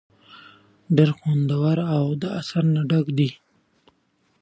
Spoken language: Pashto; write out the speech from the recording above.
ډېر خوندور او د اثر نه ډک دے ۔